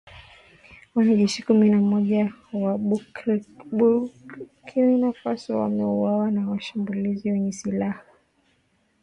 Wanajeshi kumi na mmoja wa Burkina Faso wameuawa na washambuliaji wenye silaha